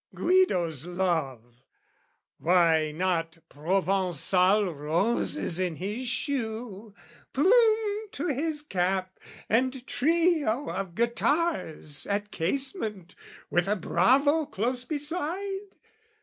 Guido's love Why not provençal roses in his shoe, Plume to his cap, and trio of guitars At casement, with a bravo close beside?